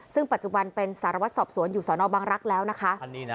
ซึ่งปัจจุบันเป็นสารวัตรสอบสวนอยู่สนบังรักษ์แล้วนะคะ